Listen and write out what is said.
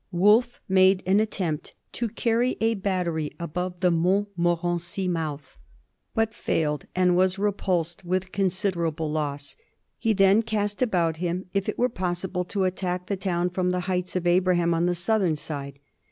"Wolfe made an attempt to caiTy a battery above the Montmorency mouth, but failed, and was repulsed with considerable loss. He then cast about him if it were pos sible to attack the town from the Heights of Abraham on the southern side.